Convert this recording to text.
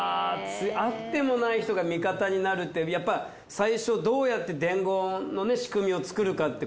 会ってもない人が味方になるってやっぱり最初どうやって伝言の仕組みを作るかってね